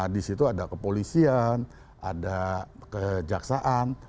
di situ ada kepolisian ada kejaksaan